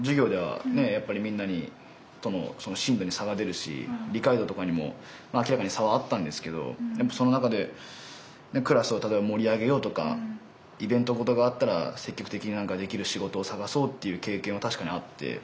やっぱりみんなに進路に差が出るし理解度とかにも明らかに差はあったんですけどその中でクラスを例えば盛り上げようとかイベント事があったら積極的に何かできる仕事を探そうっていう経験は確かにあって。